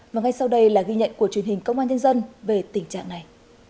và ngay sau đây là ghi nhận của truyền hình công an nhân dân về tình trạng này